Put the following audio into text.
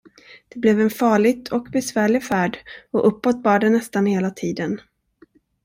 Det blev en farligt och besvärlig färd, och uppåt bar det nästan hela tiden.